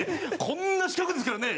こんな四角ですからね。